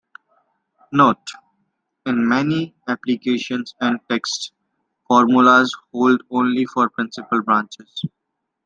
Note: In many applications and texts, formulas hold only for principal branches.